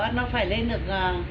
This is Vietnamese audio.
bây giờ nó phải lên được